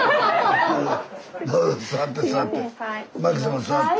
どうぞ座って座って。